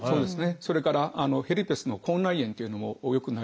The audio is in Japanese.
それからヘルペスの口内炎というのもよくなります。